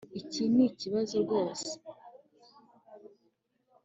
Iki nikibazo rwose